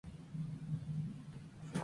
Se encuentra en Europa y en África.